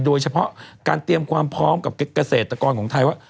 โดยเฉพาะการเตรียมความพร้อมกับเกษตรกรของไทยว่า